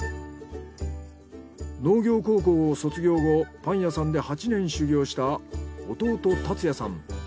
農業高校を卒業後パン屋さんで８年修業した弟辰也さん。